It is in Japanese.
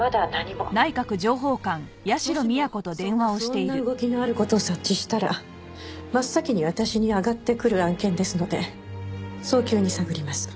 もしもそんな不穏な動きのある事を察知したら真っ先に私に上がってくる案件ですので早急に探ります。